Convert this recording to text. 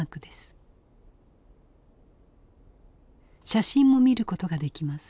写真も見ることができます。